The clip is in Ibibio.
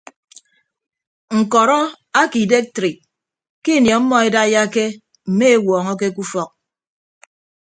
Ñkọrọ ake idektrik ke ini ọmmọ edaiyake mme ewuọñọke ke ufọk.